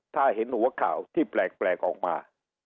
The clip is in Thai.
ถ้าเห็นหัวข่าวที่แปลกออกมา